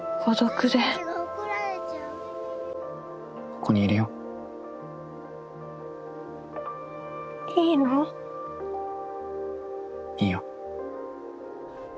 ここにいるよ。いいの？いいよ。